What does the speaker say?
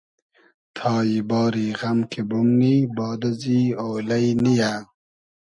تای باری غئم کی بومنی باد ازی اۉلݷ نییۂ